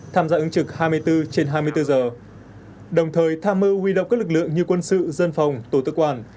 tham gia ứng trực hai mươi bốn trên hai mươi bốn giờ đồng thời tha mơ huy động các lực lượng như quân sự dân phòng tổ tư quản